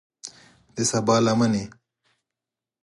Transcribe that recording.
د سبا لمنې